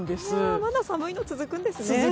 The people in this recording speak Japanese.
まだ寒いの続くんですね。